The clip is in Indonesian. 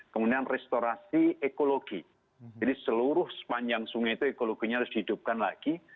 kemudian restorasi ekologi jadi seluruh sepanjang sungai itu ekologinya harus dihidupkan lagi